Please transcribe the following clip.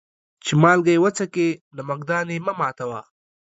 چي مالگه يې وڅکې ، نمک دان يې مه ماتوه.